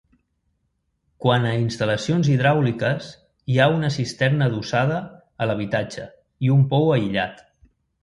Quant a instal·lacions hidràuliques hi ha una cisterna adossada a l'habitatge i un pou aïllat.